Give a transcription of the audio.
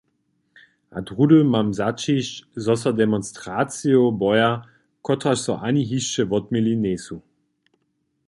A druhdy mam zaćišć, zo so demonstracijow boja, kotrež so ani hišće wotměli njejsu.